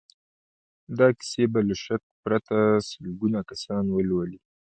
دا کيسې به له شک پرته سلګونه کسان ولولي.